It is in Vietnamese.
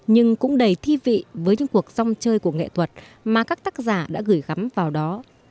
nhưng cũng đầy thi vị với những cuộc dòng chơi của nghệ thuật mà các tác giả đã gửi gắm vào đó